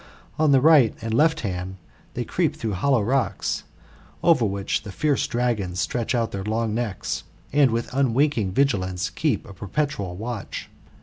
On the right and left hand they creep through hollow rocks, over which fierce dragons stretch out their lon]g necks, and with unwinking vigilance keep a perpetual watch.